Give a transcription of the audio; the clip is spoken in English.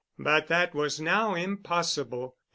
But that was now impossible.